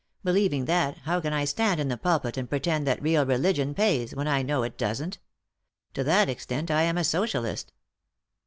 Believing that, how can I stand in the pulpit and pretend that real religion pays, when I know it doesn't ? To that extent I am a Socialist."